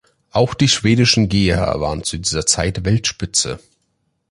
Auch die schwedischen Geher waren zu dieser Zeit Weltspitze.